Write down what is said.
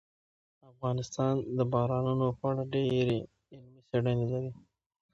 افغانستان د بارانونو په اړه ډېرې علمي څېړنې لري.